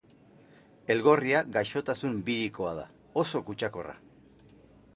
Elgorria gaixotasun birikoa da, oso kutsakorra.